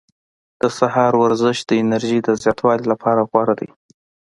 د سهار ورزش د انرژۍ د زیاتوالي لپاره غوره ده.